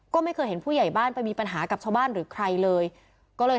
ก็ไม่เคยเห็นผู้ใหญ่บ้านไปมีปัญหากับชาวบ้านเลย